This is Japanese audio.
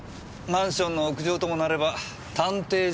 マンションの屋上ともなれば探偵じゃあねぇ。